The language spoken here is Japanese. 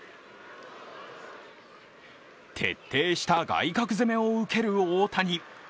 徹底した外角攻めを受ける大谷。